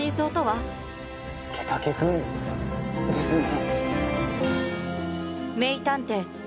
佐武君ですね？